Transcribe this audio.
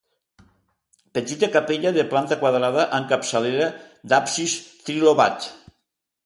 Petita capella de planta quadrada amb capçalera d'absis trilobat.